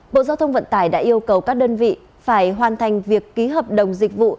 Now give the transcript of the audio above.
bộ giao thông vận tải đã yêu cầu các đơn vị phải hoàn thành việc ký hợp đồng dịch vụ